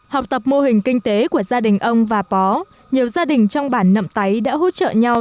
học tập mô hình kinh tế của gia đình ông và bó nhiều gia đình trong bản nậm táy đã hỗ trợ nhau